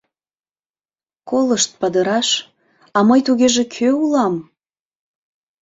Колышт, падыраш: а мый тугеже кӧ улам?